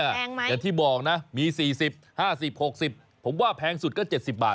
แปลงจะต่อมากว่า๔๐๕๐๖๐บาทผมว่าแพงสุดก็ว่า๗๐บาท